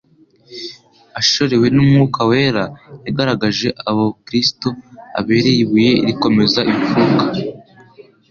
ashorewe n'Umwuka Wera yagaragaje abo Kristo abereye ibuye rikomeza imfuruka